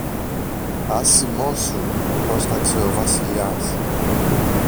Ας σιμώσουν, πρόσταξε ο Βασιλιάς.